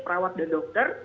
perawat dan dokter